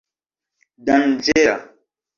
danĝera